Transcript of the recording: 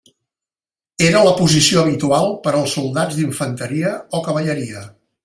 Era la posició habitual per als soldats d'infanteria o cavalleria.